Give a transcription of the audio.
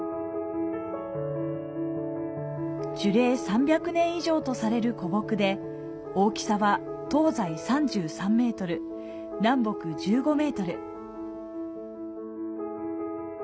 樹齢３００年以上とされる古木で大きさは東西３３ｍ、南北１５ｍ。